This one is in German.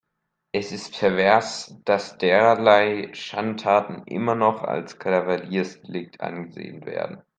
Es ist pervers, dass derlei Schandtaten immer noch als Kavaliersdelikt angesehen werden.